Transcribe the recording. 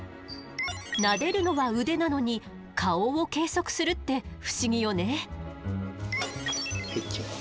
なでるのは腕なのに顔を計測するって不思議よね。